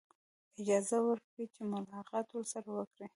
اجازه ورکړي چې ملاقات ورسره وکړي.